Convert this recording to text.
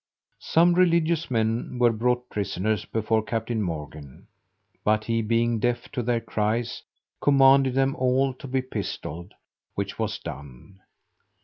Some religious men were brought prisoners before Captain Morgan; but he, being deaf to their cries, commanded them all to be pistolled, which was done.